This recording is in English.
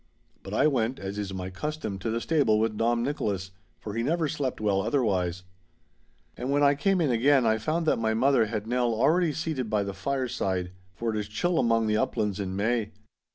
But I went, as is my custom, to the stable with Dom Nicholas, for he never slept well otherwise. And when I came in again I found that my mother had Nell already seated by the fireside, for it is chill among the uplands in May.